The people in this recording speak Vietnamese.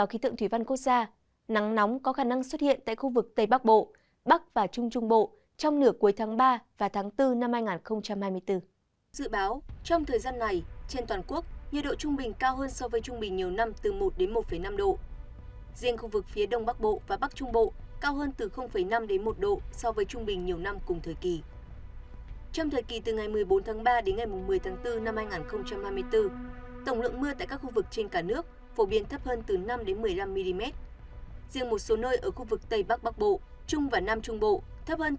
riêng một số nơi ở khu vực tây bắc bắc bộ trung và nam trung bộ thấp hơn từ một mươi năm bốn mươi mm so với trung bình nhiều năm cùng thời kỳ